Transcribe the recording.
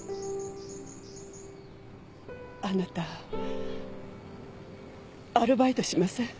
あなたアルバイトしません？